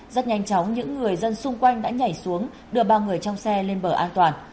rất nhanh chóng những người dân xung quanh đã nhảy xuống đưa ba người trong xe lên bờ an toàn